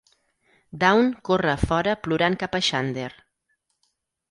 Dawn corre a fora plorant cap a Xander.